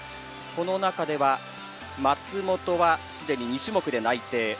この中では松元はすでに２種目で内定。